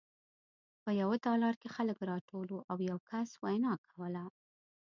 په یوه تالار کې خلک راټول وو او یو کس وینا کوله